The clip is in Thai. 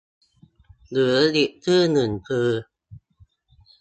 หรืออีกชื่อหนึ่งคือ